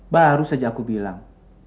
baru saja aku bilang